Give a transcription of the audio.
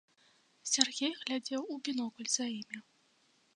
Сяргей глядзеў у бінокль за імі.